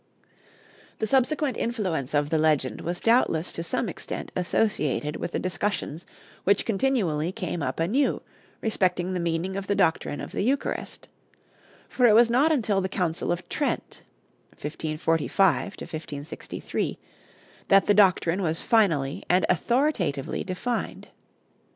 The subsequent influence of the legend was doubtless to some extent associated with the discussions which continually came up anew respecting the meaning of the doctrine of the Eucharist; for it was not until the Council of Trent (1545 63) that the doctrine was finally and authoritatively defined.